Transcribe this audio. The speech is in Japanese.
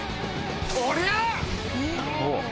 おりゃ！